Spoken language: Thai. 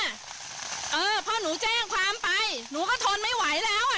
เออเพราะหนูแจ้งความไปหนูก็ทนไม่ไหวแล้วอ่ะ